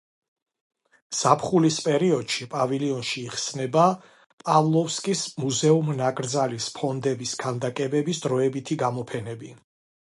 ზაფხულის პერიოდში პავილიონში იხსნება პავლოვსკის მუზეუმ-ნაკრძალის ფონდების ქანდაკებების დროებითი გამოფენები.